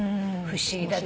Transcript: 不思議だ。